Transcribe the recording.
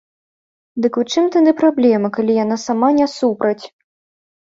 Дык у чым тады праблема, калі яна сама не супраць?